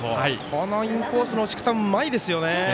このインコースの打ち方うまいですよね。